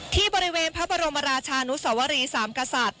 ที่บริเวณพระบรมราชานุสวรีสามกษัตริย